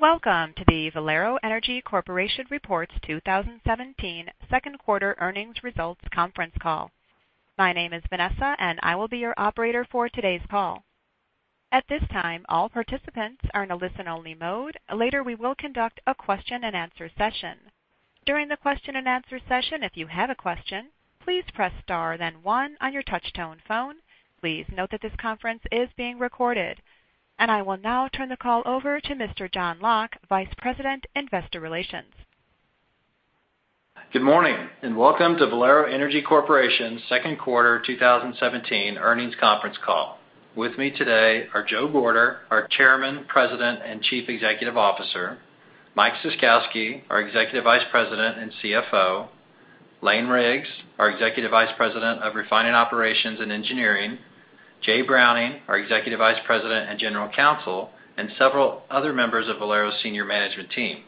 Welcome to the Valero Energy Corporation Reports 2017 Second Quarter Earnings Results Conference Call. My name is Vanessa, and I will be your operator for today's call. At this time, all participants are in a listen-only mode. Later, we will conduct a question-and-answer session. During the question-and-answer session, if you have a question, please press star then one on your touch-tone phone. Please note that this conference is being recorded. I will now turn the call over to Mr. John Locke, Vice President, Investor Relations. Good morning, and welcome to Valero Energy Corporation's second quarter 2017 earnings conference call. With me today are Joe Gorder, our Chairman, President, and Chief Executive Officer; Mike Ciskowski, our Executive Vice President and CFO; Lane Riggs, our Executive Vice President of Refining Operations and Engineering; Jay Browning, our Executive Vice President and General Counsel; and several other members of Valero's senior management team.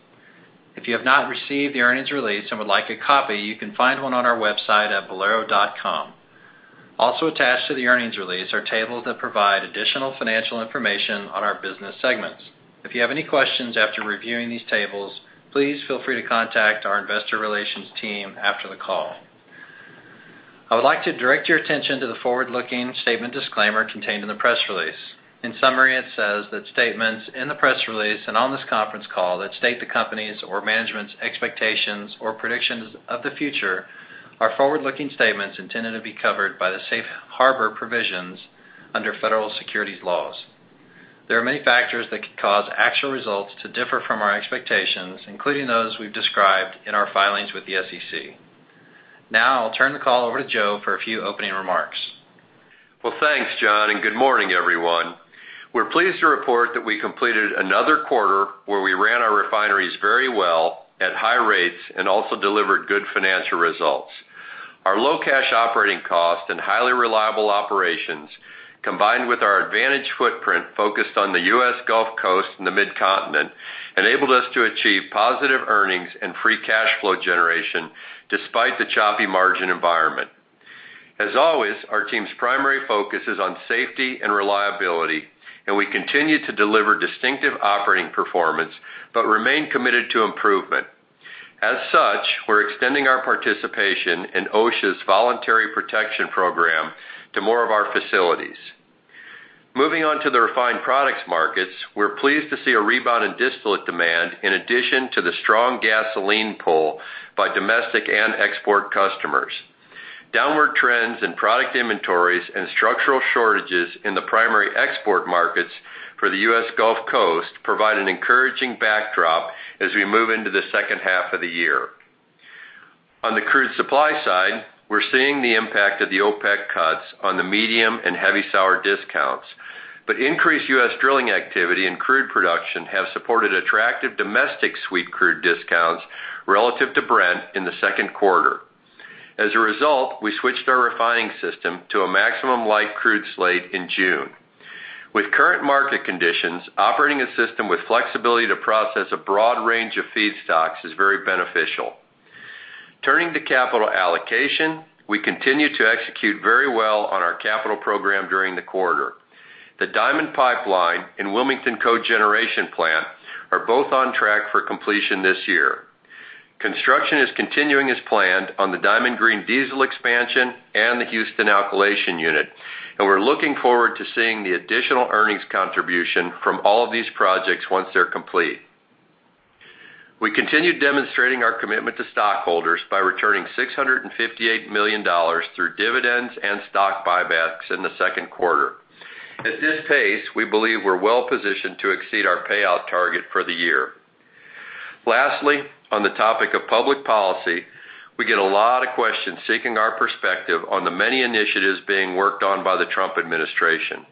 If you have not received the earnings release and would like a copy, you can find one on our website at valero.com. Also attached to the earnings release are tables that provide additional financial information on our business segments. If you have any questions after reviewing these tables, please feel free to contact our investor relations team after the call. I would like to direct your attention to the forward-looking statement disclaimer contained in the press release. In summary, it says that statements in the press release and on this conference call that state the company's or management's expectations or predictions of the future are forward-looking statements intended to be covered by the safe harbor provisions under federal securities laws. There are many factors that could cause actual results to differ from our expectations, including those we've described in our filings with the SEC. I'll turn the call over to Joe for a few opening remarks. Thanks, John, and good morning, everyone. We're pleased to report that we completed another quarter where we ran our refineries very well at high rates and also delivered good financial results. Our low cash operating cost and highly reliable operations, combined with our advantage footprint focused on the U.S. Gulf Coast and the Mid-Continent, enabled us to achieve positive earnings and free cash flow generation despite the choppy margin environment. As always, our team's primary focus is on safety and reliability, and we continue to deliver distinctive operating performance but remain committed to improvement. As such, we're extending our participation in OSHA's Voluntary Protection Program to more of our facilities. Moving on to the refined products markets, we're pleased to see a rebound in distillate demand, in addition to the strong gasoline pull by domestic and export customers. Downward trends in product inventories and structural shortages in the primary export markets for the U.S. Gulf Coast provide an encouraging backdrop as we move into the second half of the year. On the crude supply side, we're seeing the impact of the OPEC cuts on the medium and heavy sour discounts, increased U.S. drilling activity and crude production have supported attractive domestic sweet crude discounts relative to Brent in the second quarter. As a result, we switched our refining system to a maximum light crude slate in June. With current market conditions, operating a system with flexibility to process a broad range of feedstocks is very beneficial. Turning to capital allocation, we continue to execute very well on our capital program during the quarter. The Diamond Pipeline and Wilmington Cogeneration Plant are both on track for completion this year. Construction is continuing as planned on the Diamond Green Diesel expansion and the Houston Alkylation unit, we're looking forward to seeing the additional earnings contribution from all of these projects once they're complete. We continue demonstrating our commitment to stockholders by returning $658 million through dividends and stock buybacks in the second quarter. At this pace, we believe we're well positioned to exceed our payout target for the year. Lastly, on the topic of public policy, we get a lot of questions seeking our perspective on the many initiatives being worked on by the Trump administration.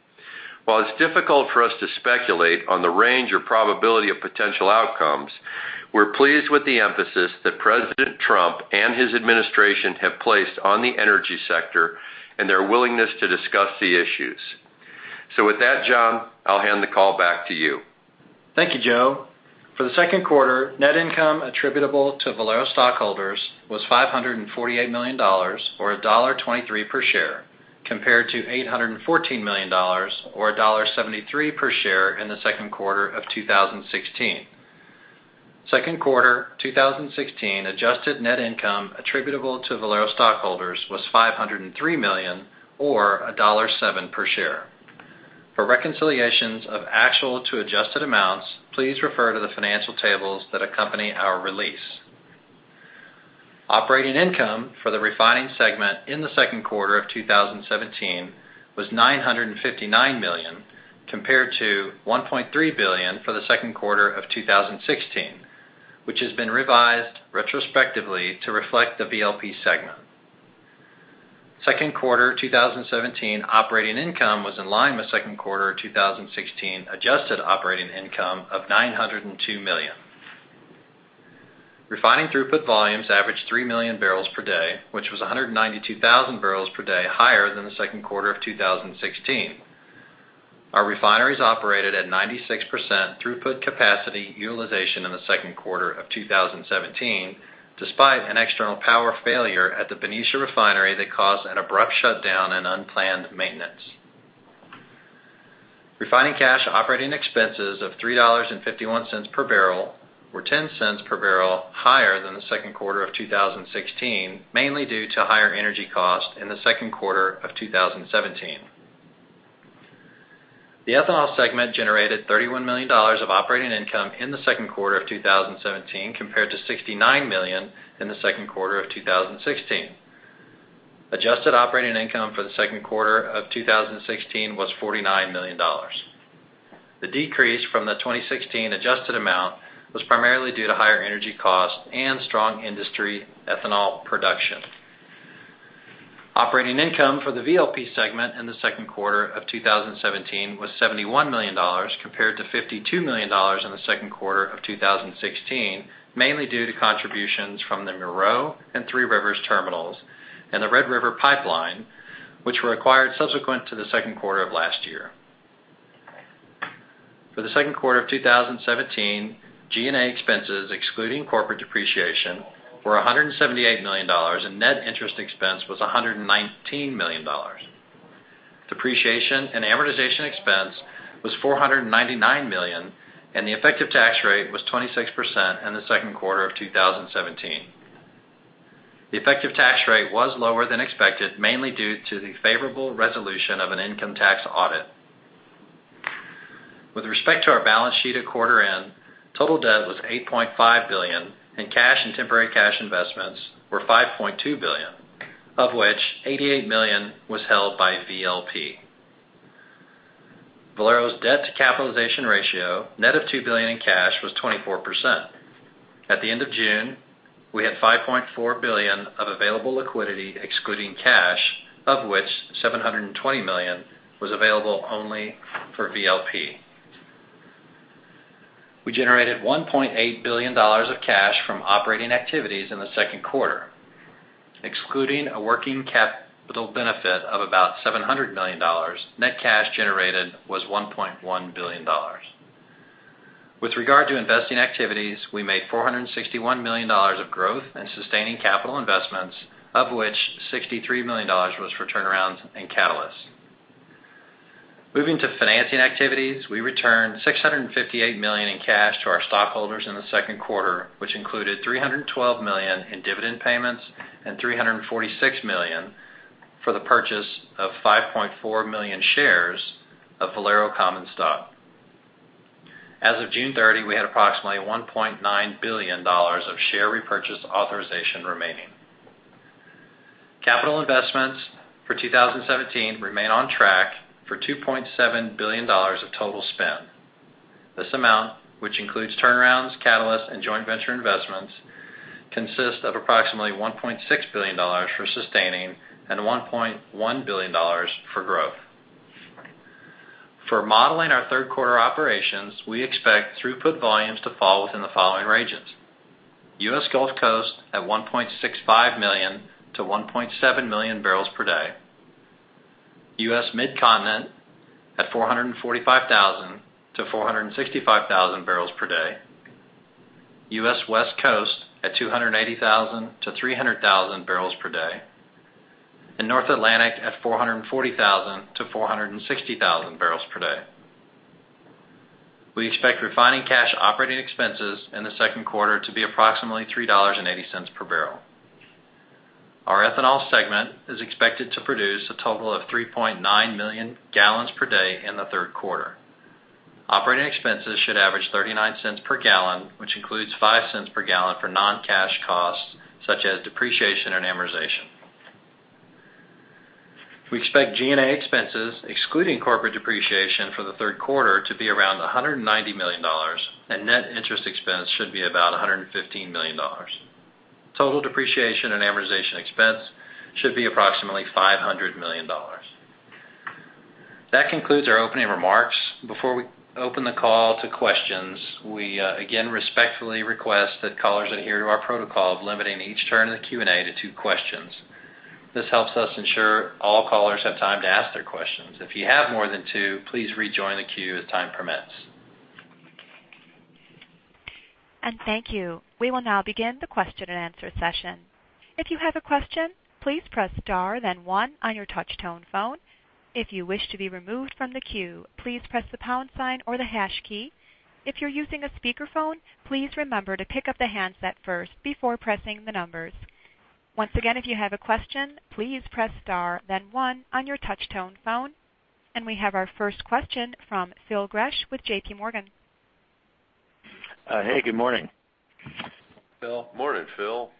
While it's difficult for us to speculate on the range or probability of potential outcomes, we're pleased with the emphasis that President Trump and his administration have placed on the energy sector and their willingness to discuss the issues. With that, John, I'll hand the call back to you. Thank you, Joe. For the second quarter, net income attributable to Valero stockholders was $548 million, or $1.23 per share, compared to $814 million, or $1.73 per share in the second quarter of 2016. Second quarter 2016 adjusted net income attributable to Valero stockholders was $503 million, or $1.07 per share. For reconciliations of actual to adjusted amounts, please refer to the financial tables that accompany our release. Operating income for the refining segment in the second quarter of 2017 was $959 million, compared to $1.3 billion for the second quarter of 2016, which has been revised retrospectively to reflect the VLP segment. Second quarter 2017 operating income was in line with second quarter 2016 adjusted operating income of $902 million. Refining throughput volumes averaged 3 million barrels per day, which was 192,000 barrels per day higher than the second quarter of 2016. Our refineries operated at 96% throughput capacity utilization in the second quarter of 2017, despite an external power failure at the Benicia refinery that caused an abrupt shutdown and unplanned maintenance. Refining cash operating expenses of $3.51 per barrel were $0.10 per barrel higher than the second quarter of 2016, mainly due to higher energy costs in the second quarter of 2017. The ethanol segment generated $31 million of operating income in the second quarter of 2017, compared to $69 million in the second quarter of 2016. Adjusted operating income for the second quarter of 2016 was $49 million. The decrease from the 2016 adjusted amount was primarily due to higher energy costs and strong industry ethanol production. Operating income for the VLP segment in the second quarter of 2017 was $71 million, compared to $52 million in the second quarter of 2016, mainly due to contributions from the Monroe and Three Rivers terminals and the Red River Pipeline, which were acquired subsequent to the second quarter of last year. For the second quarter of 2017, G&A expenses excluding corporate depreciation were $178 million and net interest expense was $119 million. Depreciation and amortization expense was $499 million, and the effective tax rate was 26% in the second quarter of 2017. The effective tax rate was lower than expected, mainly due to the favorable resolution of an income tax audit. With respect to our balance sheet at quarter end, total debt was $8.5 billion and cash and temporary cash investments were $5.2 billion, of which $88 million was held by VLP. Valero's debt to capitalization ratio, net of $2 billion in cash, was 24%. At the end of June, we had $5.4 billion of available liquidity excluding cash, of which $720 million was available only for VLP. We generated $1.8 billion of cash from operating activities in the second quarter. Excluding a working capital benefit of about $700 million, net cash generated was $1.1 billion. With regard to investing activities, we made $461 million of growth in sustaining capital investments, of which $63 million was for turnarounds and catalysts. Moving to financing activities, we returned $658 million in cash to our stockholders in the second quarter, which included $312 million in dividend payments and $346 million for the purchase of 5.4 million shares of Valero common stock. As of June 30, we had approximately $1.9 billion of share repurchase authorization remaining. Capital investments for 2017 remain on track for $2.7 billion of total spend. This amount, which includes turnarounds, catalysts, and joint venture investments, consists of approximately $1.6 billion for sustaining and $1.1 billion for growth. For modeling our third quarter operations, we expect throughput volumes to fall within the following ranges: U.S. Gulf Coast at 1.65 million to 1.7 million barrels per day, U.S. Mid-Continent at 445,000 to 465,000 barrels per day, U.S. West Coast at 280,000 to 300,000 barrels per day, and North Atlantic at 440,000 to 460,000 barrels per day. We expect refining cash operating expenses in the second quarter to be approximately $3.80 per barrel. Our ethanol segment is expected to produce a total of 3.9 million gallons per day in the third quarter. Operating expenses should average $0.39 per gallon, which includes $0.05 per gallon for non-cash costs such as depreciation and amortization. We expect G&A expenses excluding corporate depreciation for the third quarter to be around $190 million, and net interest expense should be about $115 million. Total depreciation and amortization expense should be approximately $500 million. That concludes our opening remarks. Before we open the call to questions, we again respectfully request that callers adhere to our protocol of limiting each turn in the Q&A to two questions. This helps us ensure all callers have time to ask their questions. If you have more than two, please rejoin the queue as time permits. Thank you. We will now begin the question and answer session. If you have a question, please press star then one on your touch-tone phone. If you wish to be removed from the queue, please press the pound sign or the hash key. If you're using a speakerphone, please remember to pick up the handset first before pressing the numbers. Once again, if you have a question, please press star then one on your touch-tone phone. We have our first question from Phil Gresh with J.P. Morgan. Hey, good morning. Phil. Morning, Phil.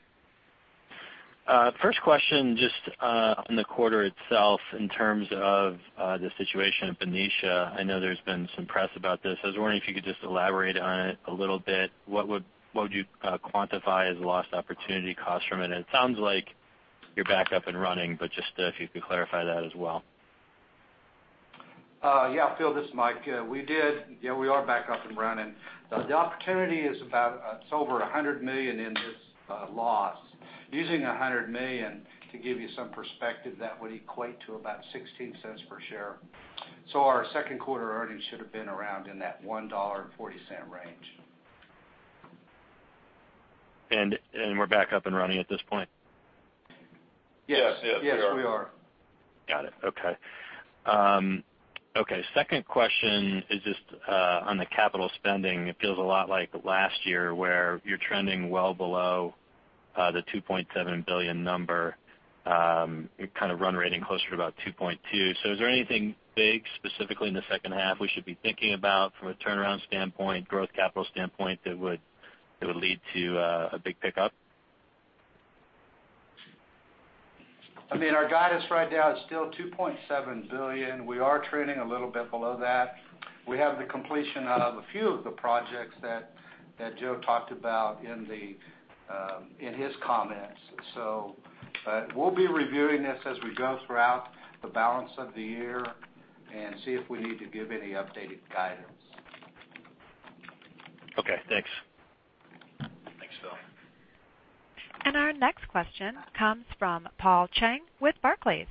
First question just on the quarter itself in terms of the situation at Benicia. I know there's been some press about this. I was wondering if you could just elaborate on it a little bit. What would you quantify as lost opportunity cost from it? It sounds like you're back up and running, but just if you could clarify that as well. Yeah, Phil, this is Mike. We are back up and running. The opportunity is over $100 million in this loss. Using $100 million, to give you some perspective, that would equate to about $0.16 per share. Our second quarter earnings should have been around in that $1.40 range. We're back up and running at this point? Yes. Yes, we are. Got it. Okay. Second question is just on the capital spending. It feels a lot like last year where you're trending well below the $2.7 billion number. You're run rating closer to about $2.2 billion. Is there anything big specifically in the second half we should be thinking about from a turnaround standpoint, growth capital standpoint, that would lead to a big pickup? Our guidance right now is still $2.7 billion. We are trending a little bit below that. We have the completion of a few of the projects that Joe talked about in his comments. We'll be reviewing this as we go throughout the balance of the year and see if we need to give any updated guidance. Okay, thanks. Thanks, Phil. Our next question comes from Paul Cheng with Barclays.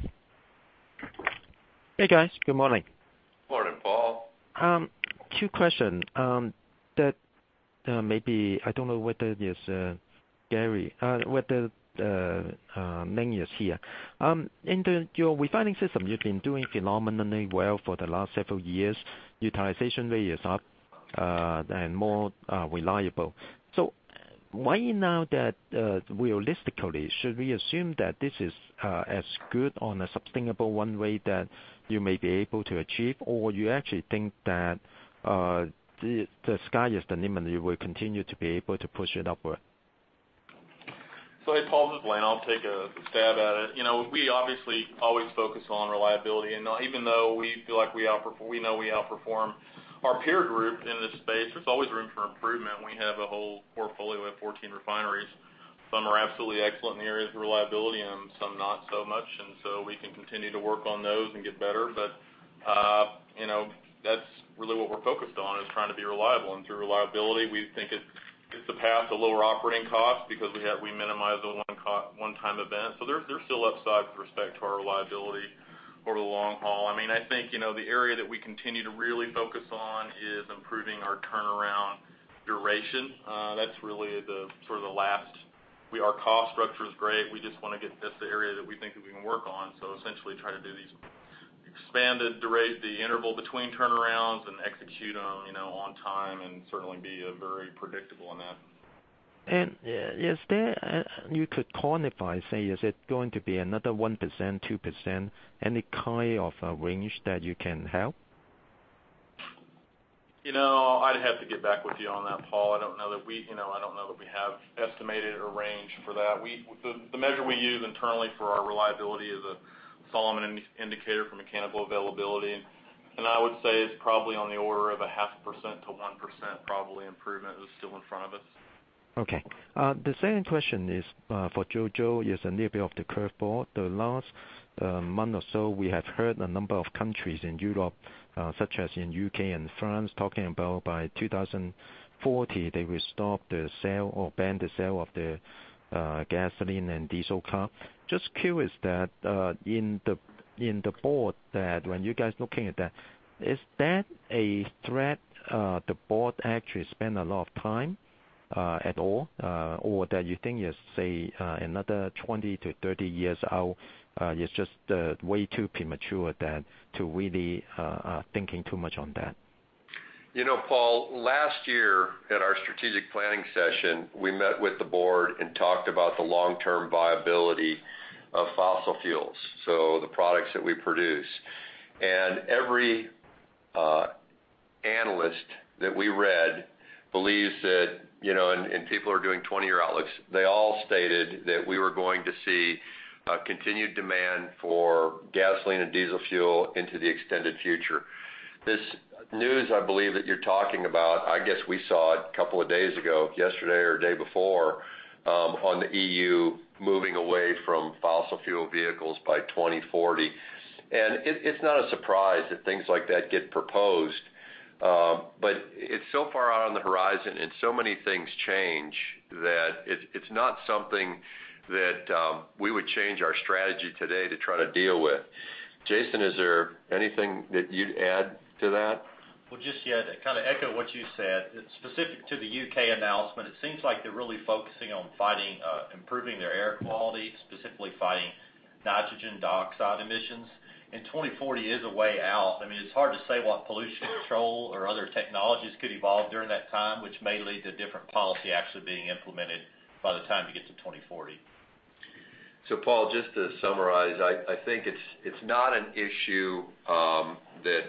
Hey, guys. Good morning. Morning, Paul. Two questions that maybe, I don't know whether it is Gary, whether is here. In your refining system, you've been doing phenomenally well for the last several years. Utilization rate is up and more reliable. Why now that realistically should we assume that this is as good on a sustainable one way that you may be able to achieve, or you actually think that the sky is the limit, you will continue to be able to push it upward? Hey, Paul, this is Lane. I'll take a stab at it. We obviously always focus on reliability, and even though we feel like we know we outperform our peer group in this space, there's always room for improvement. We have a whole portfolio of 14 refineries. Some are absolutely excellent in the areas of reliability and some not so much, and so we can continue to work on those and get better. That's really what we're focused on is trying to be reliable. Through reliability, we think it's the path to lower operating costs because we minimize the one-time event. There's still upside with respect to our reliability over the long haul. I think the area that we continue to really focus on is improving our turnaround duration. Our cost structure is great. We just want to get this area that we think that we can work on. Essentially try to do these expanded duration, the interval between turnarounds and execute on time and certainly be very predictable in that. Is there, you could quantify, say, is it going to be another 1%, 2%, any kind of a range that you can have? I'd have to get back with you on that, Paul. I don't know that we have estimated a range for that. The measure we use internally for our reliability is a Solomon indicator for mechanical availability. I would say it's probably on the order of a 0.5%-1%, probably improvement is still in front of us. Okay. The second question is for Joe. Joe, it's a little bit off the curveball. The last month or so, we have heard a number of countries in Europe, such as in U.K. and France, talking about by 2040, they will stop the sale or ban the sale of the gasoline and diesel car. Just curious that in the board that when you guys looking at that, is that a threat the board actually spend a lot of time at all? Or that you think is, say, another 20-30 years out, it's just way too premature that to really thinking too much on that? Paul, last year at our strategic planning session, we met with the board and talked about the long-term viability of fossil fuels, so the products that we produce. Every analyst that we read believes that, and people are doing 20-year outlooks. They all stated that we were going to see a continued demand for gasoline and diesel fuel into the extended future. This news, I believe, that you're talking about, I guess we saw it a couple of days ago, yesterday or day before, on the EU moving away from fossil fuel vehicles by 2040. It's not a surprise that things like that get proposed. It's so far out on the horizon and so many things change that it's not something that we would change our strategy today to try to deal with. Jason, is there anything that you'd add to that? Well, just yet, to echo what you said, specific to the U.K. announcement, it seems like they're really focusing on improving their air quality, specifically fighting nitrogen dioxide emissions. 2040 is a way out. It's hard to say what pollution control or other technologies could evolve during that time, which may lead to different policy actually being implemented by the time you get to 2040. Paul, just to summarize, I think it's not an issue that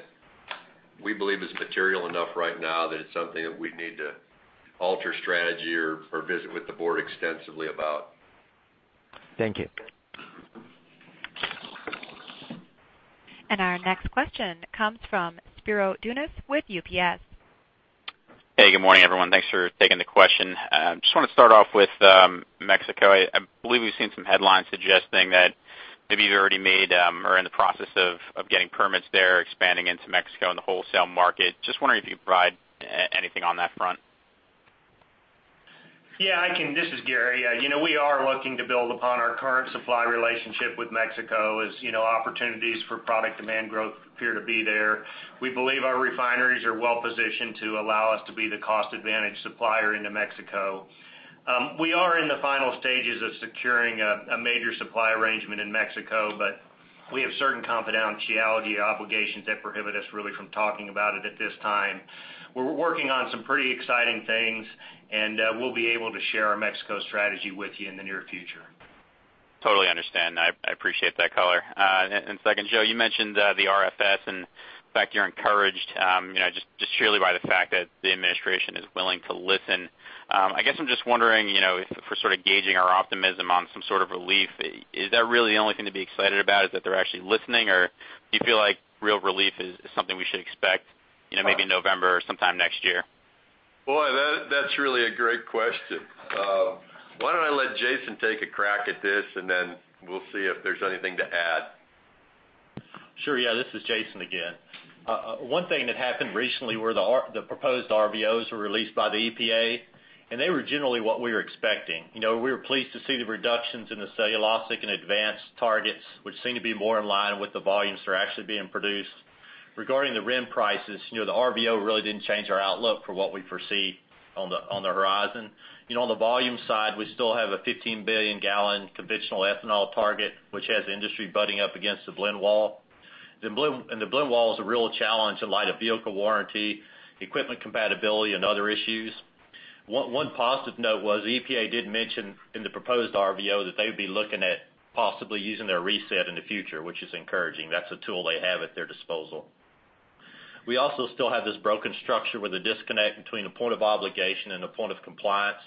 we believe is material enough right now that it's something that we need to alter strategy or visit with the board extensively about. Thank you. Our next question comes from Spiro Dounis with UBS. Hey, good morning, everyone. Thanks for taking the question. Just want to start off with Mexico. I believe we've seen some headlines suggesting that maybe you've already made or are in the process of getting permits there, expanding into Mexico and the wholesale market. Just wondering if you could provide anything on that front. Yeah, I can. This is Gary. We are looking to build upon our current supply relationship with Mexico as opportunities for product demand growth appear to be there. We believe our refineries are well-positioned to allow us to be the cost advantage supplier into Mexico. We are in the final stages of securing a major supply arrangement in Mexico, but we have certain confidentiality obligations that prohibit us really from talking about it at this time. We're working on some pretty exciting things, and we'll be able to share our Mexico strategy with you in the near future. Totally understand. I appreciate that color. Second, Joe, you mentioned the RFS and the fact you're encouraged just sheerly by the fact that the administration is willing to listen. I guess I'm just wondering, if we're sort of gauging our optimism on some sort of relief, is that really the only thing to be excited about is that they're actually listening, or do you feel like real relief is something we should expect maybe November or sometime next year? Boy, that's really a great question. Why don't I let Jason take a crack at this, then we'll see if there's anything to add. Sure. Yeah, this is Jason again. One thing that happened recently were the proposed RVOs were released by the EPA, they were generally what we were expecting. We were pleased to see the reductions in the cellulosic and advanced targets, which seem to be more in line with the volumes that are actually being produced. Regarding the RIN prices, the RVO really didn't change our outlook for what we foresee on the horizon. On the volume side, we still have a 15 billion gallon conventional ethanol target, which has the industry butting up against the blend wall. The blend wall is a real challenge in light of vehicle warranty, equipment compatibility, and other issues. One positive note was the EPA did mention in the proposed RVO that they would be looking at possibly using their reset in the future, which is encouraging. That's a tool they have at their disposal. We also still have this broken structure with a disconnect between a point of obligation and a point of compliance.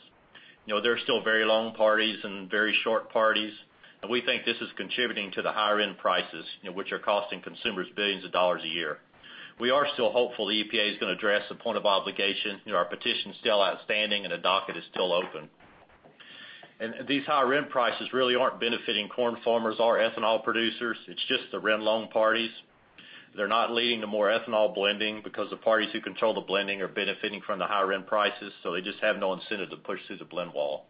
There are still very long parties and very short parties, we think this is contributing to the higher RIN prices, which are costing consumers $billions a year. We are still hopeful the EPA is going to address the point of obligation. Our petition is still outstanding, a docket is still open. These high RIN prices really aren't benefiting corn farmers or ethanol producers. It's just the RIN long parties. They're not leading to more ethanol blending because the parties who control the blending are benefiting from the higher RIN prices, so they just have no incentive to push through the blend wall.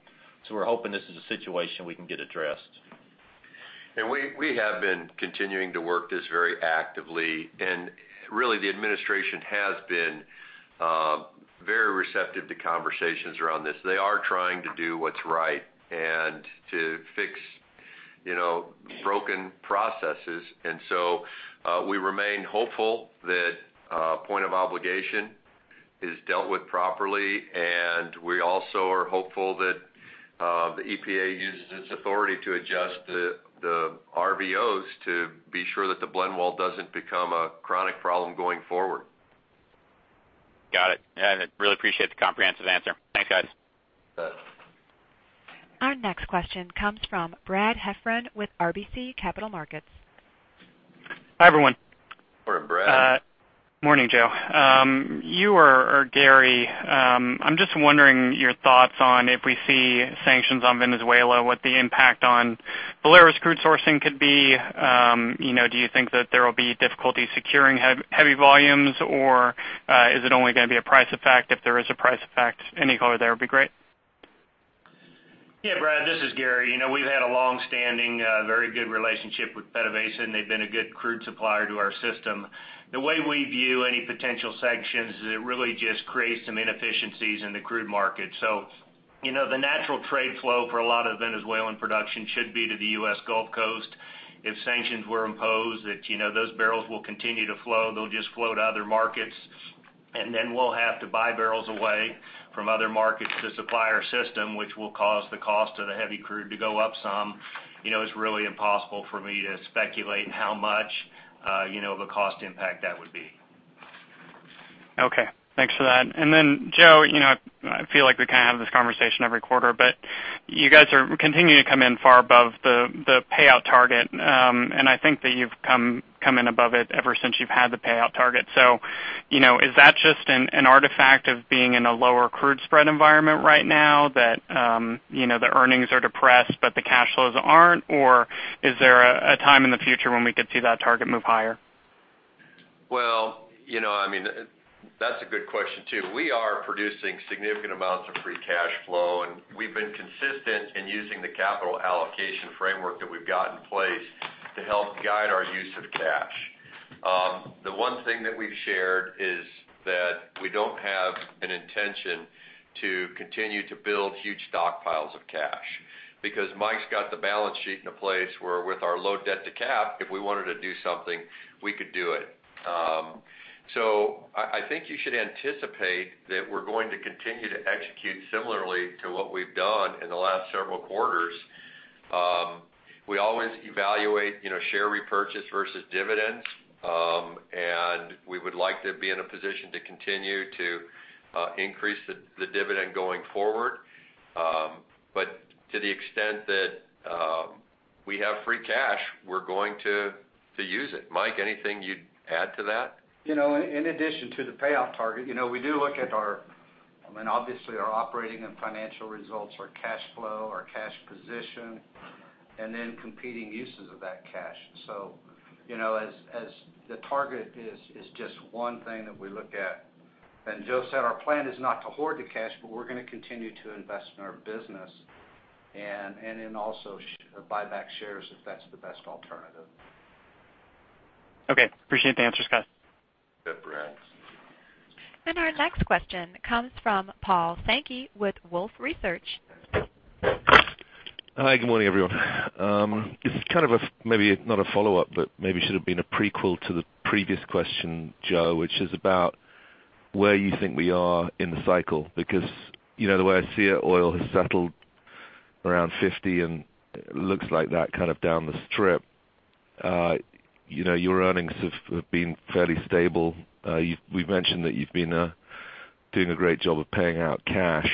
We're hoping this is a situation we can get addressed. We have been continuing to work this very actively, really, the administration has been very receptive to conversations around this. They are trying to do what's right and to fix broken processes. We remain hopeful that point of obligation is dealt with properly, we also are hopeful that the EPA uses its authority to adjust the RVOs to be sure that the blend wall doesn't become a chronic problem going forward. Got it. Yeah, I really appreciate the comprehensive answer. Thanks, guys. You bet. Our next question comes from Brad Heffern with RBC Capital Markets. Hi, everyone. Morning, Brad. Morning, Joe. You or Gary, I'm just wondering your thoughts on if we see sanctions on Venezuela, what the impact on Valero's crude sourcing could be. Do you think that there will be difficulty securing heavy volumes, or is it only going to be a price effect if there is a price effect? Any color there would be great. Yeah, Brad, this is Gary. We've had a long-standing, very good relationship with PDVSA, and they've been a good crude supplier to our system. The way we view any potential sanctions is it really just creates some inefficiencies in the crude market. The natural trade flow for a lot of Venezuelan production should be to the U.S. Gulf Coast. If sanctions were imposed, those barrels will continue to flow. They'll just flow to other markets, then we'll have to buy barrels away from other markets to supply our system, which will cause the cost of the heavy crude to go up some. It's really impossible for me to speculate how much of a cost impact that would be. Okay. Thanks for that. Joe, I feel like we have this conversation every quarter, but you guys are continuing to come in far above the payout target. I think that you've come in above it ever since you've had the payout target. Is that just an artifact of being in a lower crude spread environment right now, that the earnings are depressed, but the cash flows aren't? Is there a time in the future when we could see that target move higher? That's a good question, too. We are producing significant amounts of free cash flow, and we've been consistent in using the capital allocation framework that we've got in place to help guide our use of cash. The one thing that we've shared is that we don't have an intention to continue to build huge stockpiles of cash because Mike's got the balance sheet in a place where with our low debt to cap, if we wanted to do something, we could do it. I think you should anticipate that we're going to continue to execute similarly to what we've done in the last several quarters. We always evaluate share repurchase versus dividends, and we would like to be in a position to continue to increase the dividend going forward. To the extent that we have free cash, we're going to use it. Mike, anything you'd add to that? In addition to the payoff target, we do look at our, obviously, our operating and financial results, our cash flow, our cash position, and then competing uses of that cash. The target is just one thing that we look at. Joe said our plan is not to hoard the cash, but we're going to continue to invest in our business and then also buy back shares if that's the best alternative. Okay. Appreciate the answers, guys. Our next question comes from Paul Sankey with Wolfe Research. Hi, good morning, everyone. This is maybe not a follow-up, but maybe should've been a prequel to the previous question, Joe, which is about where you think we are in the cycle. Because the way I see it, oil has settled around $50, and looks like that kind of down the strip. Your earnings have been fairly stable. We've mentioned that you've been doing a great job of paying out cash.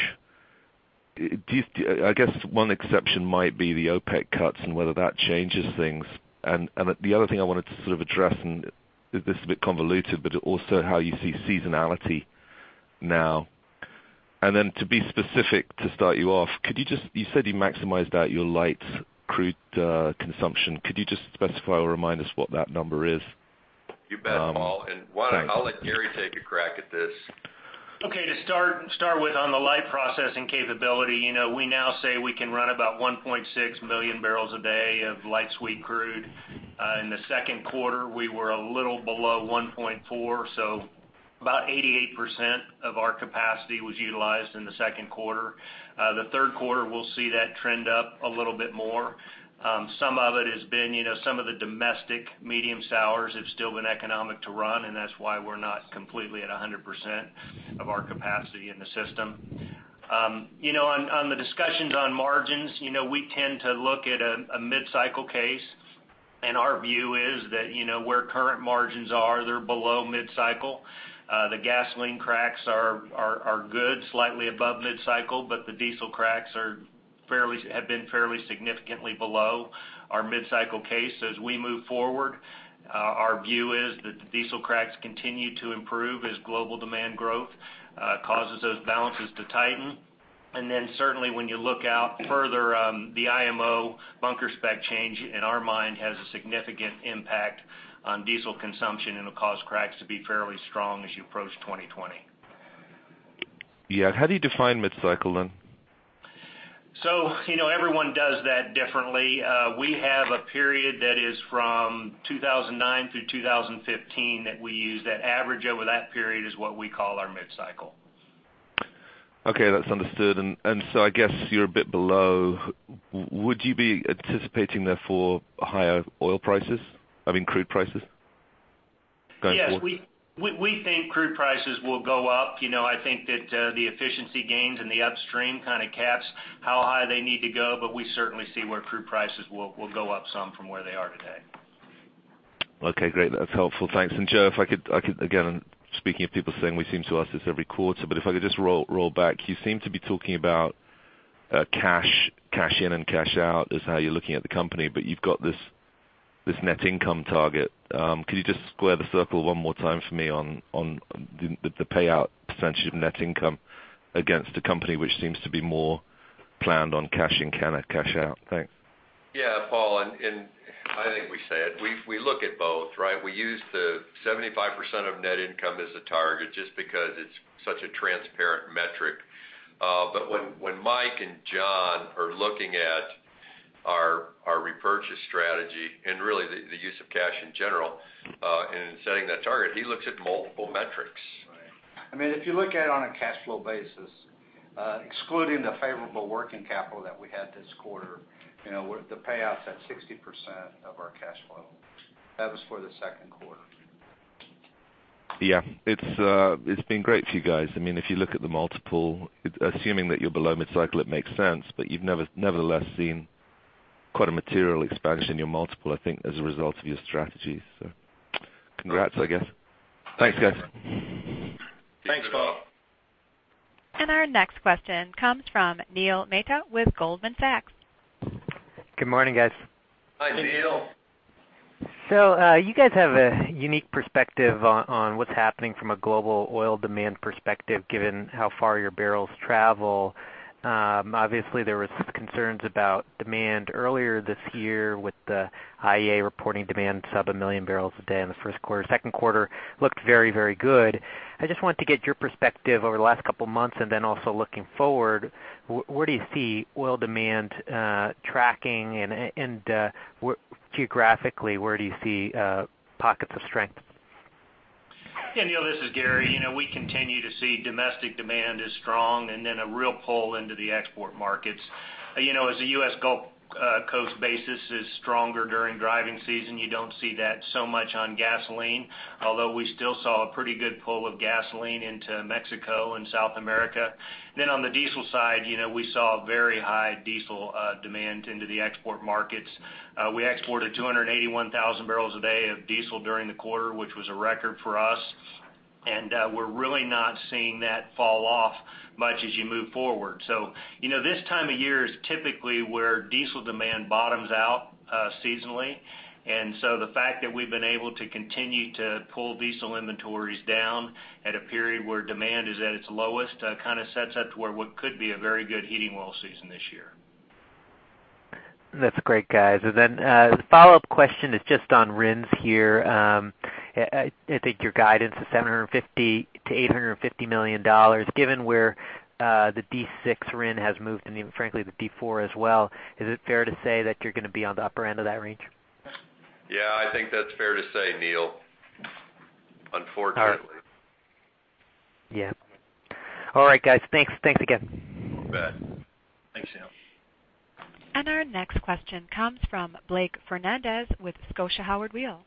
I guess one exception might be the OPEC cuts and whether that changes things. The other thing I wanted to sort of address, and this is a bit convoluted, but also how you see seasonality now. Then to be specific, to start you off, you said you maximized out your light crude consumption. Could you just specify or remind us what that number is? You bet, Paul. I'll let Gary take a crack at this. Okay. To start with, on the light processing capability, we now say we can run about 1.6 million barrels a day of light sweet crude. In the second quarter, we were a little below 1.4, so about 88% of our capacity was utilized in the second quarter. The third quarter will see that trend up a little bit more. Some of it has been some of the domestic medium sours have still been economic to run, and that's why we're not completely at 100% of our capacity in the system. On the discussions on margins, we tend to look at a mid-cycle case. Our view is that where current margins are, they're below mid-cycle. The gasoline cracks are good, slightly above mid-cycle, the diesel cracks have been fairly significantly below our mid-cycle case. As we move forward, our view is that the diesel cracks continue to improve as global demand growth causes those balances to tighten. Certainly when you look out further, the IMO bunker spec change, in our mind, has a significant impact on diesel consumption and will cause cracks to be fairly strong as you approach 2020. Yeah. How do you define mid-cycle then? Everyone does that differently. We have a period that is from 2009 through 2015 that we use. That average over that period is what we call our mid-cycle. Okay. That's understood. I guess you're a bit below. Would you be anticipating, therefore, higher oil prices? I mean, crude prices going forward? Yes. We think crude prices will go up. I think that the efficiency gains in the upstream kind of caps how high they need to go, but we certainly see where crude prices will go up some from where they are today. Okay, great. That's helpful. Thanks. Joe, if I could again, speaking of people saying we seem to ask this every quarter, if I could just roll back. You seem to be talking about cash in and cash out as how you're looking at the company, you've got this net income target. Could you just square the circle one more time for me on the payout percentage of net income against a company which seems to be more planned on cash in, cash out? Thanks. Yeah, Paul, I think we said, we look at both, right? We use the 75% of net income as a target just because it's such a transparent metric. When Mike and John are looking at our repurchase strategy and really the use of cash in general, in setting that target, he looks at multiple metrics. Right. If you look at it on a cash flow basis, excluding the favorable working capital that we had this quarter, the payout's at 60% of our cash flow. That was for the second quarter. Yeah. It's been great for you guys. If you look at the multiple, assuming that you're below mid-cycle, it makes sense, but you've nevertheless seen quite a material expansion in your multiple, I think, as a result of your strategies. Congrats, I guess. Thanks, guys. Thanks, Paul. Our next question comes from Neil Mehta with Goldman Sachs. Good morning, guys. Hi, Neil Mehta. You guys have a unique perspective on what's happening from a global oil demand perspective, given how far your barrels travel. Obviously, there was some concerns about demand earlier this year with the International Energy Agency reporting demand sub 1 million barrels a day in the first quarter. Second quarter looked very, very good. I just wanted to get your perspective over the last couple of months, and then also looking forward, where do you see oil demand tracking, and geographically, where do you see pockets of strength? Yeah, Neil Mehta, this is Gary Simmons. We continue to see domestic demand is strong and then a real pull into the export markets. As the U.S. Gulf Coast basis is stronger during driving season, you don't see that so much on gasoline, although we still saw a pretty good pull of gasoline into Mexico and South America. On the diesel side, we saw very high diesel demand into the export markets. We exported 281,000 barrels a day of diesel during the quarter, which was a record for us. We're really not seeing that fall off much as you move forward. This time of year is typically where diesel demand bottoms out seasonally, and so the fact that we've been able to continue to pull diesel inventories down at a period where demand is at its lowest kind of sets up to where what could be a very good heating oil season this year. That's great, guys. The follow-up question is just on RINs here. I think your guidance is $750 million-$850 million. Given where the D6 RIN has moved, and frankly, the D4 as well, is it fair to say that you're going to be on the upper end of that range? Yeah, I think that's fair to say, Neil. Unfortunately. All right. Yeah. All right, guys. Thanks again. You bet. Thanks, Neil. Our next question comes from Blake Fernandez with Scotiabank Howard Weil.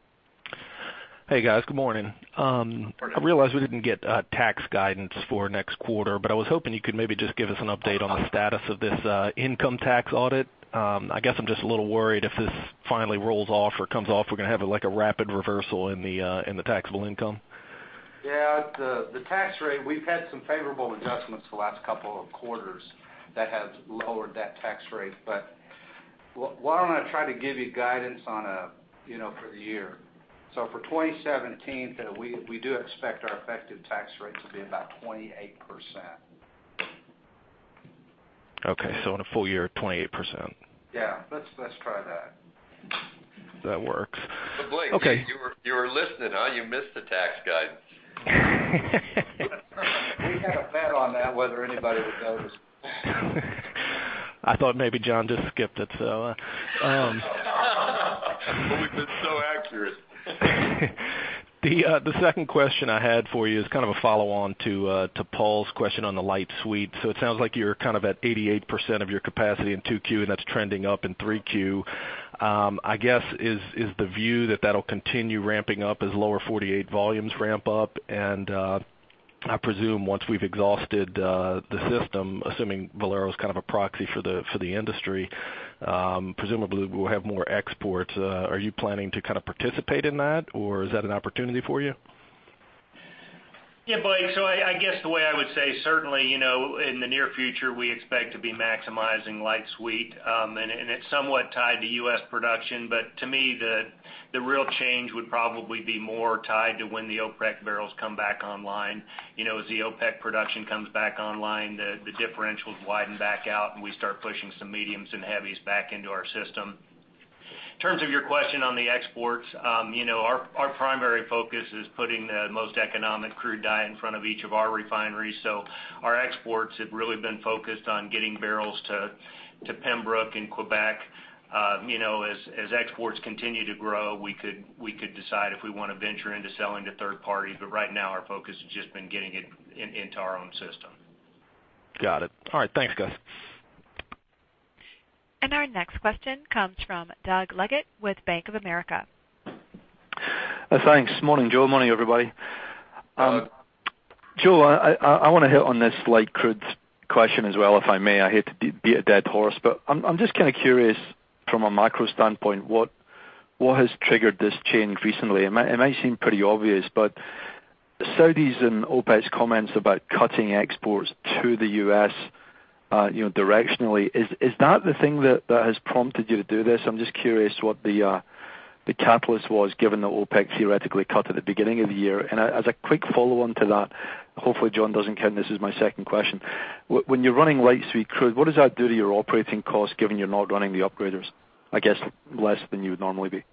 Hey, guys. Good morning. Morning. I realize we didn't get tax guidance for next quarter, but I was hoping you could maybe just give us an update on the status of this income tax audit. I guess I'm just a little worried if this finally rolls off or comes off, we're going to have a rapid reversal in the taxable income. Yeah, the tax rate, we've had some favorable adjustments the last couple of quarters that have lowered that tax rate. Why don't I try to give you guidance for the year. For 2017, we do expect our effective tax rate to be about 28%. Okay. In a full year, 28%. Yeah. Let's try that. That works. Okay. Blake, you were listening, huh? You missed the tax guidance. We had a bet on that, whether anybody would notice. I thought maybe John just skipped it, so. We've been so accurate. The second question I had for you is kind of a follow-on to Paul's question on the light sweet. It sounds like you're at 88% of your capacity in two Q, and that's trending up in three Q. I guess is the view that that'll continue ramping up as lower 48 volumes ramp up, and I presume once we've exhausted the system, assuming Valero is kind of a proxy for the industry, presumably we'll have more exports. Are you planning to participate in that, or is that an opportunity for you? Blake. I guess the way I would say, certainly, in the near future, we expect to be maximizing light sweet. It's somewhat tied to U.S. production, but to me, the real change would probably be more tied to when the OPEC barrels come back online. As the OPEC production comes back online, the differentials widen back out, and we start pushing some mediums and heavies back into our system. In terms of your question on the exports, our primary focus is putting the most economic crude in front of each of our refineries. Our exports have really been focused on getting barrels to Pembroke and Quebec. As exports continue to grow, we could decide if we want to venture into selling to third parties, but right now our focus has just been getting it into our own system. Got it. All right. Thanks, guys. Our next question comes from Doug Leggate with Bank of America. Thanks. Morning, Joe. Morning, everybody. Doug. Joe, I want to hit on this light crude question as well, if I may. I hate to beat a dead horse, but I'm just kind of curious from a macro standpoint, what has triggered this change recently? It may seem pretty obvious, but Saudis and OPEC's comments about cutting exports to the U.S. directionally, is that the thing that has prompted you to do this? I'm just curious what the catalyst was given that OPEC theoretically cut at the beginning of the year. As a quick follow-on to that, hopefully John doesn't count this as my second question. When you're running light sweet crude, what does that do to your operating cost given you're not running the upgraders? I guess less than you would normally be.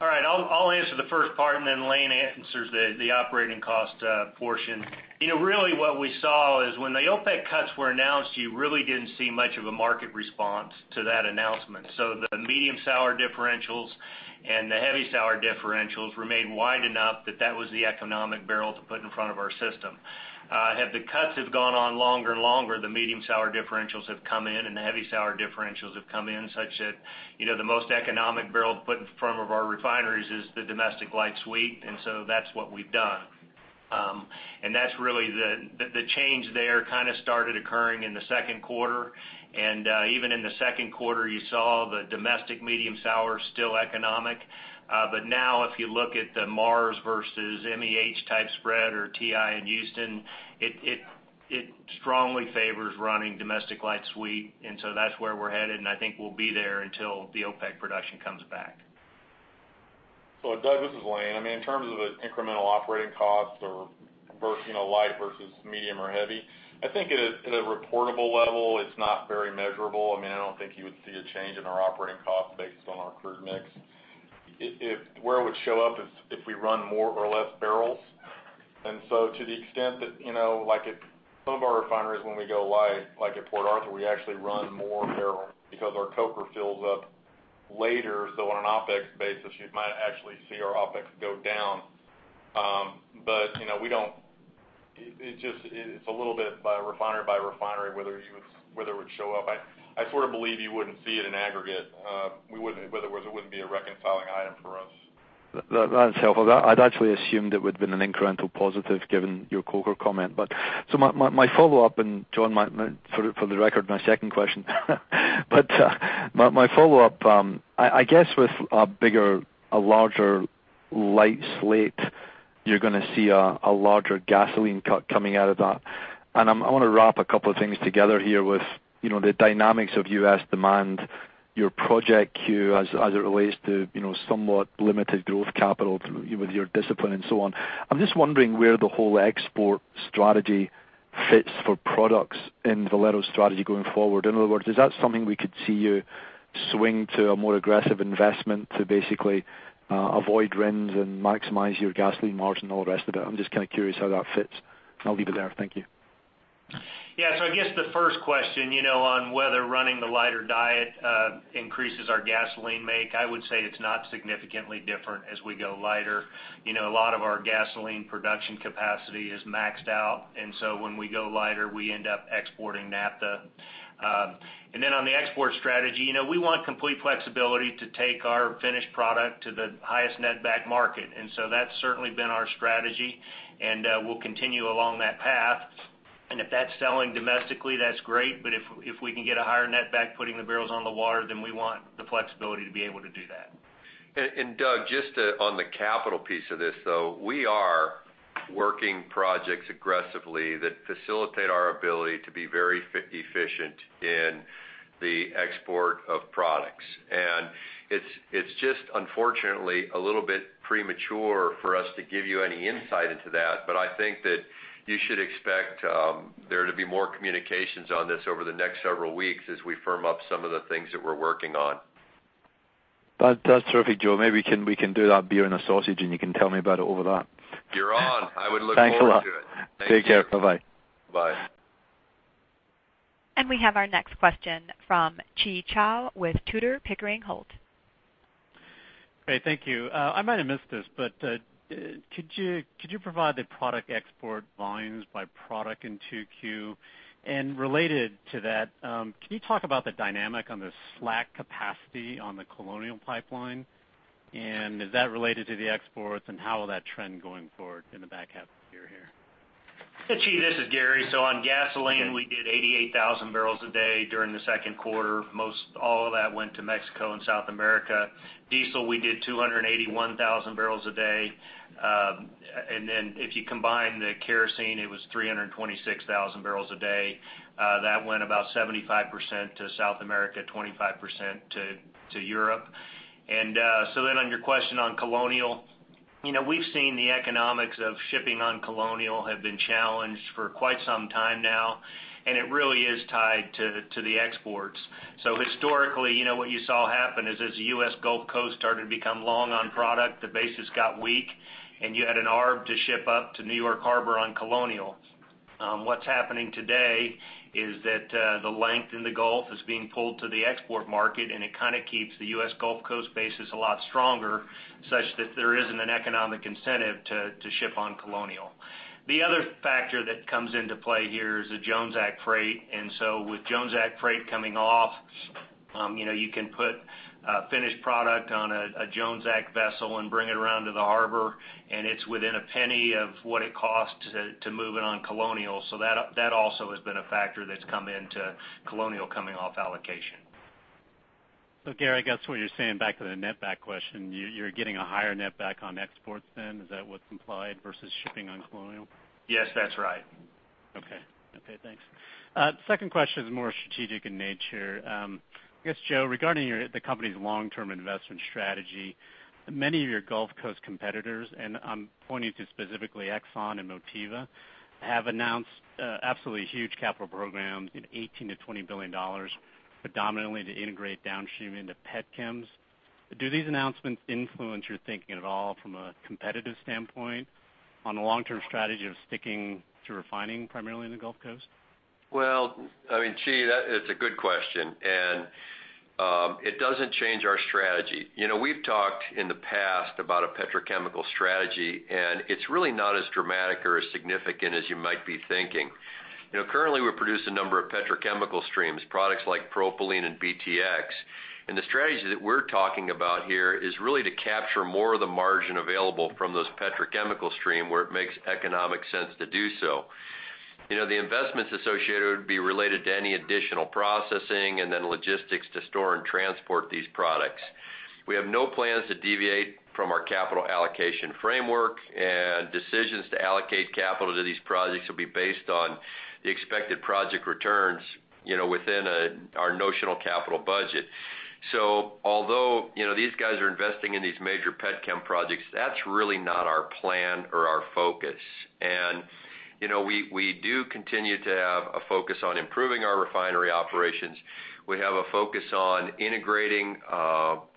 All right. I'll answer the first part and then Lane answers the operating cost portion. Really what we saw is when the OPEC cuts were announced, you really didn't see much of a market response to that announcement. The medium sour differentials and the heavy sour differentials remained wide enough that that was the economic barrel to put in front of our system. Had the cuts have gone on longer and longer, the medium sour differentials have come in and the heavy sour differentials have come in such that the most economic barrel to put in front of our refineries is the domestic light sweet, and so that's what we've done. That's really the change there kind of started occurring in the second quarter, and even in the second quarter, you saw the domestic medium sour still economic. Now if you look at the Mars versus MEH type spread or WTI in Houston, it strongly favors running domestic light sweet. That's where we're headed, and I think we'll be there until the OPEC production comes back. Doug, this is Lane. In terms of the incremental operating costs or light versus medium or heavy, I think at a reportable level, it's not very measurable. I don't think you would see a change in our operating cost based on our crude mix. Where it would show up is if we run more or less barrels. To the extent that some of our refineries, when we go live, like at Port Arthur, we actually run more barrels because our coker fills up later. On an OpEx basis, you might actually see our OpEx go down. It's a little bit by refinery, whether it would show up. I sort of believe you wouldn't see it in aggregate. In other words, it wouldn't be a reconciling item for us. That's helpful. I'd actually assumed it would've been an incremental positive given your coker comment. My follow-up and John, for the record, my second question. My follow-up, I guess with a larger light slate, you're going to see a larger gasoline cut coming out of that. I want to wrap a couple of things together here with the dynamics of U.S. demand, your project queue as it relates to somewhat limited growth capital with your discipline and so on. I'm just wondering where the whole export strategy fits for products in Valero's strategy going forward. In other words, is that something we could see you swing to a more aggressive investment to basically avoid RINs and maximize your gasoline margin and all the rest of it? I'm just kind of curious how that fits. I'll leave it there. Thank you. Yeah. I guess the first question, on whether running the lighter diet increases our gasoline make, I would say it's not significantly different as we go lighter. A lot of our gasoline production capacity is maxed out, when we go lighter, we end up exporting naphtha. On the export strategy, we want complete flexibility to take our finished product to the highest netback market. That's certainly been our strategy, and we'll continue along that path. If that's selling domestically, that's great. If we can get a higher netback putting the barrels on the water, then we want the flexibility to be able to do that. Doug, just on the capital piece of this, though, we are working projects aggressively that facilitate our ability to be very efficient in the export of products. It's just unfortunately a little bit premature for us to give you any insight into that, but I think that you should expect there to be more communications on this over the next several weeks as we firm up some of the things that we're working on. That's terrific, Joe. Maybe we can do that beer and a sausage, and you can tell me about it over that. You're on. I would look forward to it. Thanks a lot. Thank you. Take care. Bye-bye. Bye. We have our next question from Chi Chow with Tudor, Pickering Holt. Great. Thank you. I might have missed this, but could you provide the product export volumes by product in 2Q? Related to that, can you talk about the dynamic on the slack capacity on the Colonial Pipeline? Is that related to the exports, and how will that trend going forward in the back half of the year here? Chi, this is Gary. On gasoline, we did 88,000 barrels a day during the second quarter. Most all of that went to Mexico and South America. Diesel, we did 281,000 barrels a day. If you combine the kerosene, it was 326,000 barrels a day. That went about 75% to South America, 25% to Europe. On your question on Colonial, we've seen the economics of shipping on Colonial have been challenged for quite some time now, and it really is tied to the exports. Historically, what you saw happen is as the U.S. Gulf Coast started to become long on product, the basis got weak, and you had an arb to ship up to New York Harbor on Colonial. What's happening today is that the length in the Gulf is being pulled to the export market, and it keeps the U.S. Gulf Coast basis a lot stronger, such that there isn't an economic incentive to ship on Colonial. The other factor that comes into play here is the Jones Act freight. With Jones Act freight coming off, you can put a finished product on a Jones Act vessel and bring it around to the harbor, and it's within $0.01 of what it costs to move it on Colonial. That also has been a factor that's come into Colonial coming off allocation. Gary, I guess what you're saying back to the net back question, you're getting a higher net back on exports then? Is that what's implied versus shipping on Colonial? Yes, that's right. Okay, thanks. Second question is more strategic in nature. I guess, Joe, regarding the company's long-term investment strategy, many of your Gulf Coast competitors, and I'm pointing to specifically Exxon and Motiva, have announced absolutely huge capital programs in $18 billion-$20 billion predominantly to integrate downstream into petchems. Do these announcements influence your thinking at all from a competitive standpoint on the long-term strategy of sticking to refining primarily in the Gulf Coast? Well, Chi, that is a good question. It doesn't change our strategy. We've talked in the past about a petrochemical strategy, and it's really not as dramatic or as significant as you might be thinking. Currently, we produce a number of petrochemical streams, products like propylene and BTX. The strategy that we're talking about here is really to capture more of the margin available from those petrochemical stream where it makes economic sense to do so. The investments associated would be related to any additional processing and then logistics to store and transport these products. We have no plans to deviate from our capital allocation framework, and decisions to allocate capital to these projects will be based on the expected project returns within our notional capital budget. Although these guys are investing in these major petchem projects, that's really not our plan or our focus. We do continue to have a focus on improving our refinery operations. We have a focus on integrating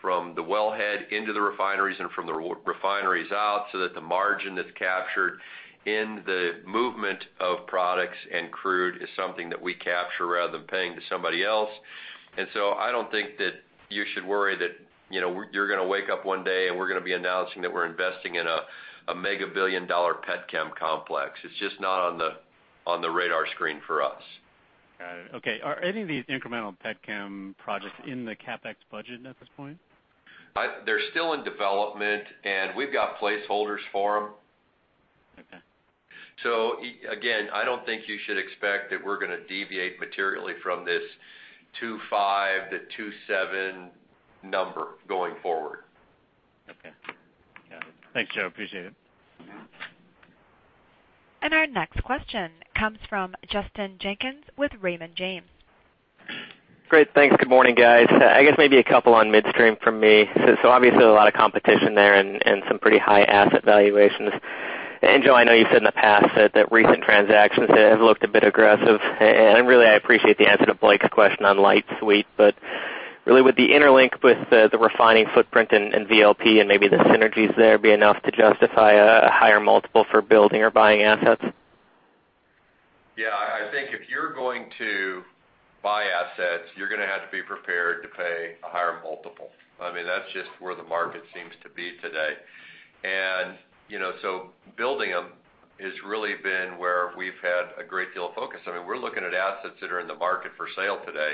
from the wellhead into the refineries and from the refineries out so that the margin that's captured in the movement of products and crude is something that we capture rather than paying to somebody else. I don't think that you should worry that you're going to wake up one day and we're going to be announcing that we're investing in a mega billion dollar petchem complex. It's just not on the radar screen for us. Got it. Okay. Are any of these incremental petchem projects in the CapEx budget at this point? They're still in development, and we've got placeholders for them. Okay. Again, I don't think you should expect that we're going to deviate materially from this 2.5 to 2.7 number going forward. Okay. Got it. Thanks, Joe. Appreciate it. Our next question comes from Justin Jenkins with Raymond James. Great. Thanks. Good morning, guys. I guess maybe a couple on midstream from me. Obviously, a lot of competition there and some pretty high asset valuations. Joe, I know you've said in the past that recent transactions have looked a bit aggressive, and really, I appreciate the answer to Blake's question on light sweet, but Really, would the interlink with the refining footprint and VLP and maybe the synergies there be enough to justify a higher multiple for building or buying assets? Yeah. I think if you're going to buy assets, you're going to have to be prepared to pay a higher multiple. That's just where the market seems to be today. Building them has really been where we've had a great deal of focus. We're looking at assets that are in the market for sale today,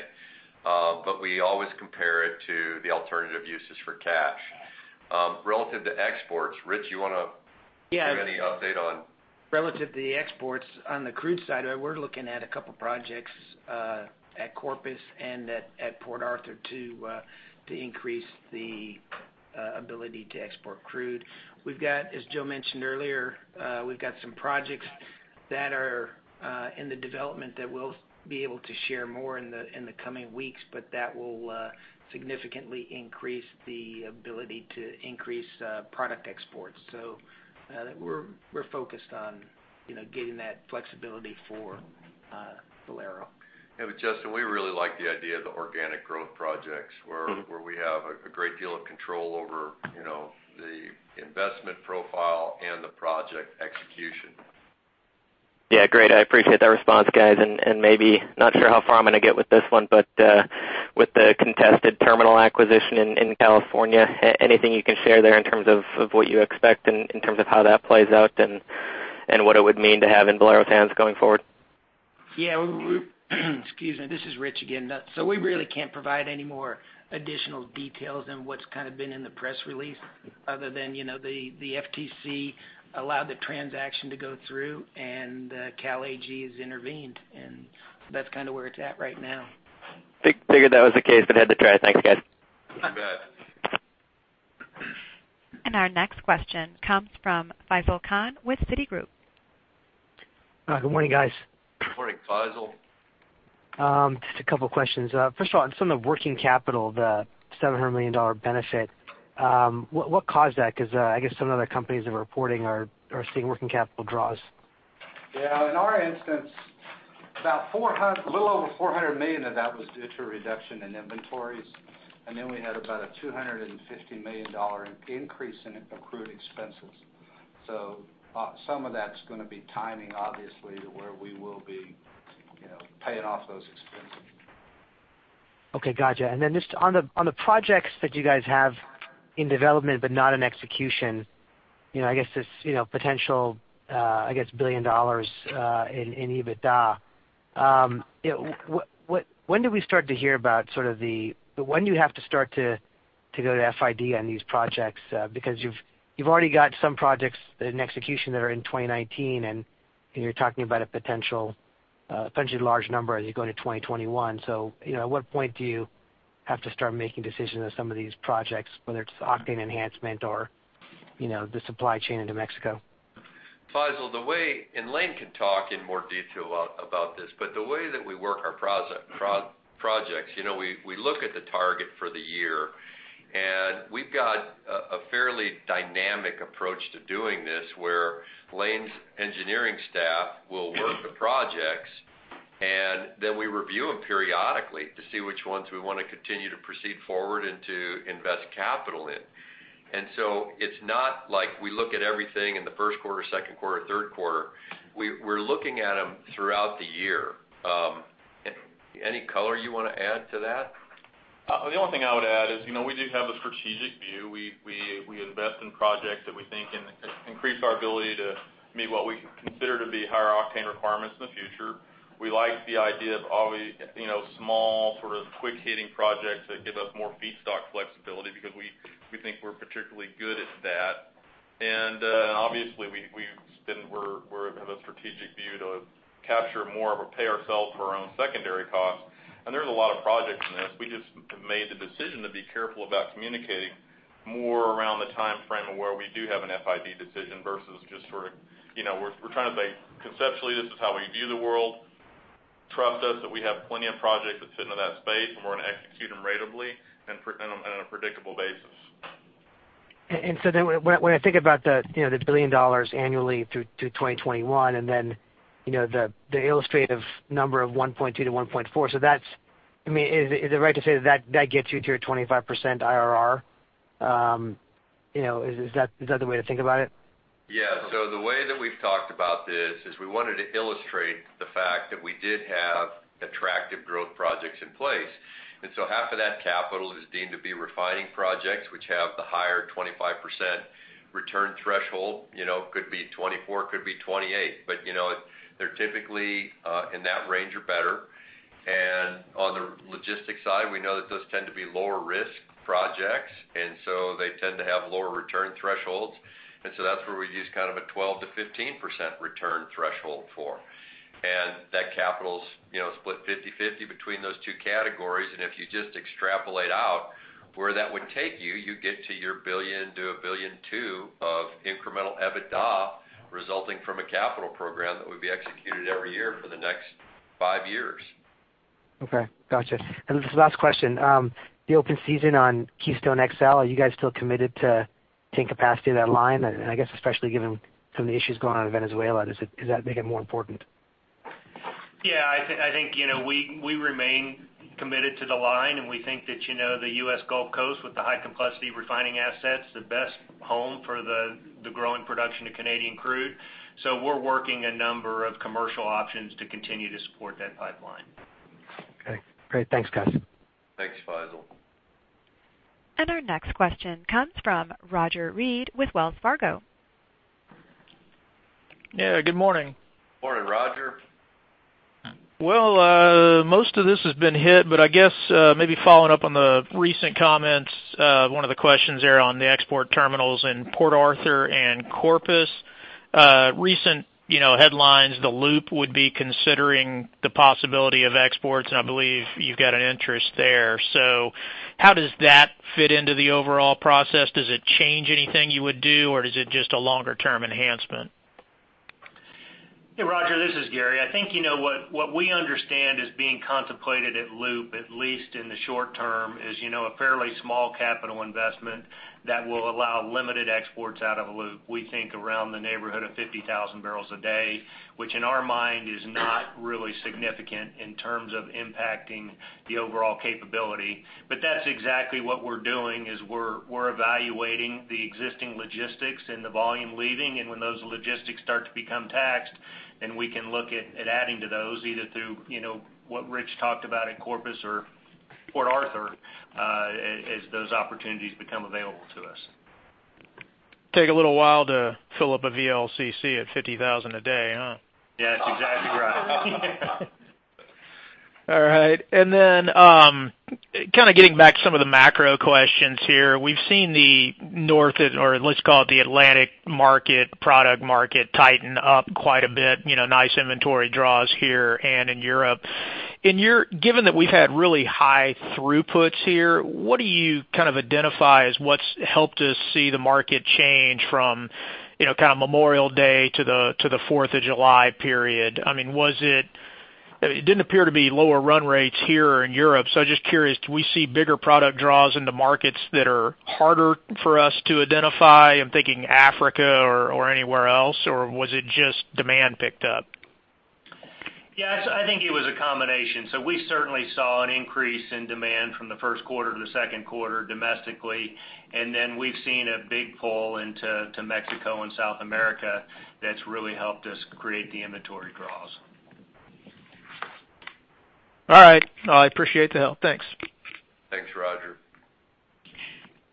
but we always compare it to the alternative uses for cash. Relative to exports, Rich, you want to give any update on Relative to the exports on the crude side, we're looking at a couple projects at Corpus and at Port Arthur to increase the ability to export crude. As Joe mentioned earlier, we've got some projects that are in the development that we'll be able to share more in the coming weeks, but that will significantly increase the ability to increase product exports. We're focused on getting that flexibility for Valero. Justin, we really like the idea of the organic growth projects where we have a great deal of control over the investment profile and the project execution. Great. I appreciate that response, guys. Maybe not sure how far I'm going to get with this one, but with the contested terminal acquisition in California, anything you can share there in terms of what you expect and in terms of how that plays out and what it would mean to have in Valero's hands going forward? Excuse me. This is Rich again. We really can't provide any more additional details than what's been in the press release other than the FTC allowed the transaction to go through and Cal AG has intervened, that's where it's at right now. Figured that was the case, had to try. Thanks, guys. You bet. Our next question comes from Faisel Khan with Citigroup. Hi. Good morning, guys. Good morning, Faisel. Just a couple of questions. First of all, on some of the working capital, the $700 million benefit, what caused that? I guess some of the other companies that are reporting are seeing working capital draws. Yeah. In our instance, a little over $400 million of that was due to reduction in inventories, we had about a $250 million increase in accrued expenses. Some of that's going to be timing, obviously, to where we will be paying off those expenses. Okay. Got you. Just on the projects that you guys have in development but not in execution, I guess this potential billion dollars in EBITDA. When do we start to hear about when do you have to start to go to FID on these projects? You've already got some projects in execution that are in 2019, and you're talking about a potentially large number as you go into 2021. At what point do you have to start making decisions on some of these projects, whether it's octane enhancement or the supply chain into Mexico? Faisel, and Lane can talk in more detail about this, but the way that we work our projects, we look at the target for the year. We've got a fairly dynamic approach to doing this, where Lane's engineering staff will work the projects, then we review them periodically to see which ones we want to continue to proceed forward and to invest capital in. So it's not like we look at everything in the first quarter, second quarter, third quarter. We're looking at them throughout the year. Any color you want to add to that? The only thing I would add is we do have a strategic view. We invest in projects that we think can increase our ability to meet what we consider to be higher octane requirements in the future. We like the idea of small sort of quick-hitting projects that give us more feedstock flexibility because we think we're particularly good at that. Obviously, we have a strategic view to capture more of a pay ourself for our own secondary costs. There's a lot of projects in this. We just made the decision to be careful about communicating more around the timeframe of where we do have an FID decision versus just we're trying to say, conceptually, this is how we view the world. Trust us that we have plenty of projects that fit into that space, and we're going to execute them ratably and on a predictable basis. When I think about the $1 billion annually through 2021 and then the illustrative number of $1.2 billion-$1.4 billion, is it right to say that gets you to your 25% IRR? Is that the way to think about it? The way that we've talked about this is we wanted to illustrate the fact that we did have attractive growth projects in place. Half of that capital is deemed to be refining projects, which have the higher 25% return threshold. Could be 24%, could be 28%. They're typically in that range or better. On the logistics side, we know that those tend to be lower risk projects, and so they tend to have lower return thresholds. That's where we use kind of a 12%-15% return threshold for. That capital is split 50/50 between those two categories. If you just extrapolate out where that would take you get to your $1 billion to $1.2 billion of incremental EBITDA resulting from a capital program that would be executed every year for the next five years. Okay. Got you. This is the last question. The open season on Keystone XL, are you guys still committed to taking capacity of that line? I guess especially given some of the issues going on in Venezuela, does that make it more important? I think we remain committed to the line. We think that the U.S. Gulf Coast, with the high complexity refining assets, the best home for the growing production of Canadian crude. We're working a number of commercial options to continue to support that pipeline. Okay. Great. Thanks, guys. Thanks, Faisel. Our next question comes from Roger Read with Wells Fargo. Yeah, good morning. Morning, Roger. Most of this has been hit, I guess maybe following up on the recent comments, one of the questions there on the export terminals in Port Arthur and Corpus. Recent headlines, the LOOP would be considering the possibility of exports, and I believe you've got an interest there. How does that fit into the overall process? Does it change anything you would do, or is it just a longer-term enhancement? Yeah, Roger, this is Gary. I think what we understand is being contemplated at LOOP, at least in the short term, is a fairly small capital investment that will allow limited exports out of LOOP. We think around the neighborhood of 50,000 barrels a day, which in our mind is not really significant in terms of impacting the overall capability. That's exactly what we're doing, is we're evaluating the existing logistics and the volume leaving. When those logistics start to become taxed, we can look at adding to those, either through what Rich talked about in Corpus or Port Arthur, as those opportunities become available to us. Take a little while to fill up a VLCC at 50,000 a day, huh? Yeah, that's exactly right. All right. Getting back to some of the macro questions here. We've seen the North, or let's call it the Atlantic market, product market, tighten up quite a bit. Nice inventory draws here and in Europe. Given that we've had really high throughputs here, what do you kind of identify as what's helped us see the market change from kind of Memorial Day to the Fourth of July period? I mean, it didn't appear to be lower run rates here or in Europe. I'm just curious, do we see bigger product draws in the markets that are harder for us to identify? I'm thinking Africa or anywhere else, or was it just demand picked up? Yeah, I think it was a combination. We certainly saw an increase in demand from the first quarter to the second quarter domestically. We've seen a big pull into Mexico and South America that's really helped us create the inventory draws. All right. I appreciate the help. Thanks. Thanks, Roger.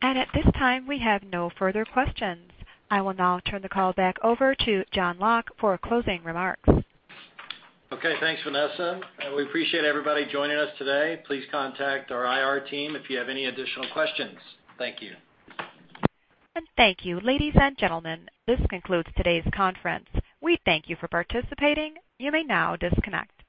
At this time, we have no further questions. I will now turn the call back over to John Locke for closing remarks. Okay, thanks, Vanessa. We appreciate everybody joining us today. Please contact our IR team if you have any additional questions. Thank you. Thank you. Ladies and gentlemen, this concludes today's conference. We thank you for participating. You may now disconnect.